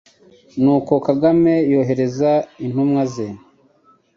n'uko Kagame yohereza intumwa ze